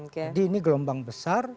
jadi ini gelombang besar